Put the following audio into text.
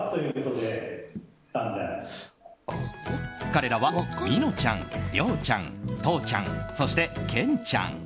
彼らは、みのちゃんりょうちゃん、とーちゃんそして、けんちゃん。